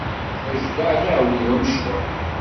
Ajdaɛ d aɛudiw amecṭuḥ.